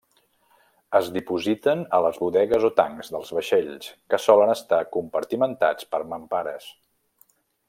Es dipositen a les bodegues o tancs dels vaixells, que solen estar compartimentats per mampares.